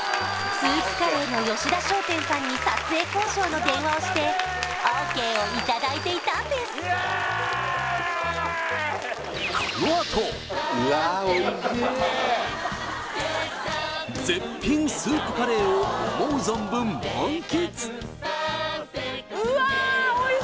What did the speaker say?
スープカレーの吉田商店さんに撮影交渉の電話をしてＯＫをいただいていたんですイエーイ！を思う存分満喫！